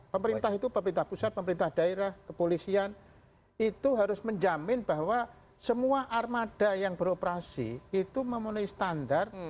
pemerintah itu pemerintah pusat pemerintah daerah kepolisian itu harus menjamin bahwa semua armada yang beroperasi itu memenuhi standar